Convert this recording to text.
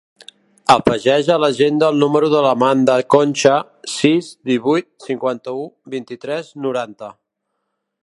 Afegeix a l'agenda el número de l'Amanda Concha: sis, divuit, cinquanta-u, vint-i-tres, noranta.